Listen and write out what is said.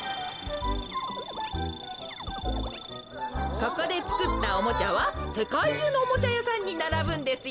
ここでつくったおもちゃはせかいじゅうのおもちゃやさんにならぶんですよ。